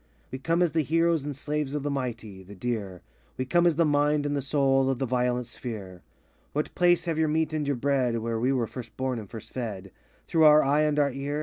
We come as the heroes and slaves of the Mighty, the Dear; We come as the mind and the soul of the violet Sphere. 88 What place have your meat and your bread Where we were first born, and first fed Through our eye and our ear?